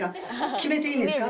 決めていいんですか？